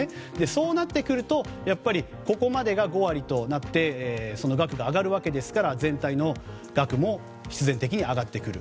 そうなってくるとここまでが５割となってその額が上がるわけですから全体の額も必然的に上がってくる。